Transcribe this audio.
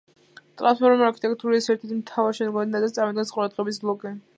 ტრანსფორმერული არქიტექტურის ერთ-ერთ მთავარ შემადგენელ ნაწილს, წარმოადგენს ყურადღების ბლოკი